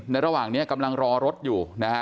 ในระหว่างนี้กำลังรอรถอยู่